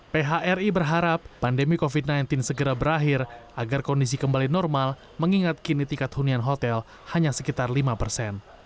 phri berharap pandemi covid sembilan belas segera berakhir agar kondisi kembali normal mengingat kini tingkat hunian hotel hanya sekitar lima persen